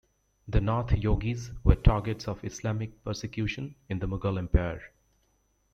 The Nath Yogis were targets of Islamic persecution in the Mughal Empire.